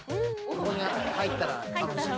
ここに入ったら。